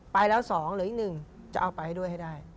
ไปแล้ว๒หรืออีกหนึ่งจะเอาไปด้วยให้ได้